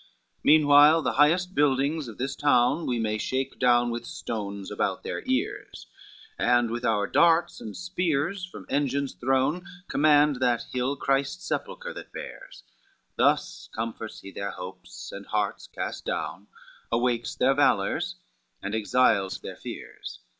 LVI "Meanwhile the highest buildings of this town We may shake down with stones about their ears, And with our darts and spears from engines thrown, Command that hill Christ's sepulchre that bears:" Thus comforts he their hopes and hearts cast down, Awakes their valors, and exiles their fears.